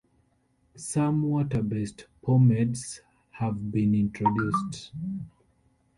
Some water-based pomades have been introduced.